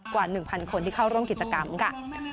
กว่า๑๐๐คนที่เข้าร่วมกิจกรรมค่ะ